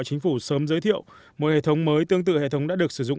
chính phủ sớm giới thiệu một hệ thống mới tương tự hệ thống đã được sử dụng